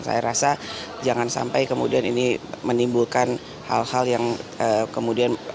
saya rasa jangan sampai kemudian ini menimbulkan hal hal yang kemudian